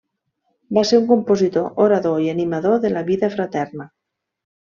Va ser un compositor, orador i animador de la vida fraterna.